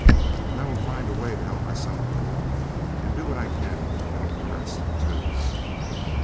And I will find a way to help myself along, and do what I can to help the rest, too."